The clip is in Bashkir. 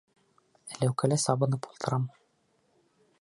Эләүкәлә сабынып ултырам.